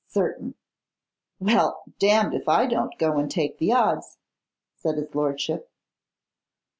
'Certain!' 'Well, damned if I don't go and take the odds,' said his lordship.